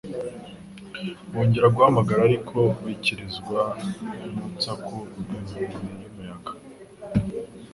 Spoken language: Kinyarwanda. Bongera guhamagara, ariko bikirizwa n'untsaku rw'inkubi y'umuyaga.